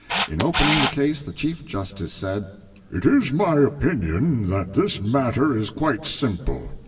In opening the case the chief justice said: 'It is my opinion that this matter is quite simple.